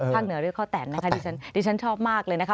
เหนือเรียกพ่อแต่นนะคะดิฉันชอบมากเลยนะคะ